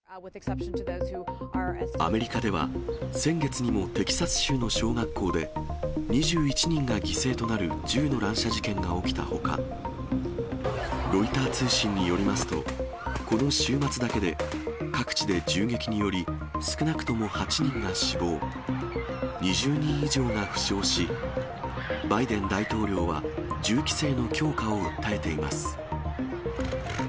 アメリカでは、先月にもテキサス州の小学校で２１人が犠牲となる銃の乱射事件が起きたほか、ロイター通信によりますと、この週末だけで、各地で銃撃により、少なくとも８人が死亡、２０人以上が負傷し、バイデン大統領は銃規制の強化を訴えています。